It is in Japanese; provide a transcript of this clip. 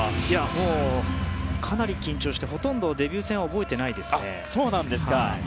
もうかなり緊張してほとんどデビュー戦は覚えてないですね。